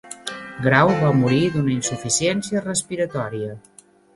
Grau va morir d'una insuficiència respiratòria.